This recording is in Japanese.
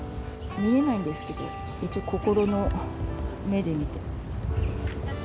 見えないんですけど、一応、心の目で見て。